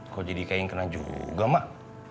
kok jadi kayak yang kena juga mak